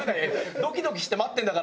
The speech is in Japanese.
ドキドキして待ってるんだから。